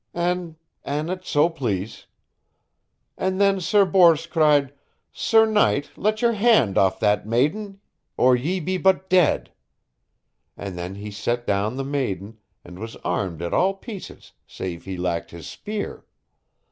"An ... an it so please.... And then Sir Bors cried: Sir knight, let your hand off that maiden, or ye be but dead. And then he set down the maiden, and was armed at all pieces save he lacked his spear.